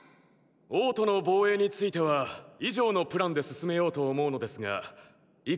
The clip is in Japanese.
王都の防衛については以上のプランで進めようと思うのですがいかがでしょう？